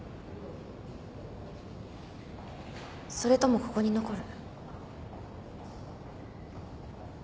それともここに残る？